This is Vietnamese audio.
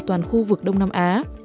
toàn khu vực đông nam á